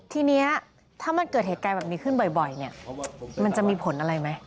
ทีนี้ถ้ามันเกิดเหตุการณ์แบบนี้ขึ้นบ่อยเนี่ยมันจะมีผลอะไรไหม